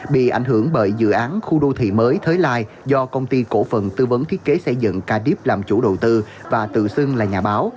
bị ảnh hưởng bởi dự án khu đô thị mới thới lai do công ty cổ phần tư vấn thiết kế xây dựng ca đi làm chủ đầu tư và tự xưng là nhà báo